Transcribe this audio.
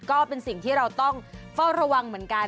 ก็เป็นสิ่งที่เราต้องเฝ้าระวังเหมือนกัน